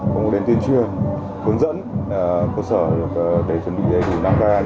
cũng có đến tuyên truyền hướng dẫn cơ sở để chuẩn bị đề dụng đáng gai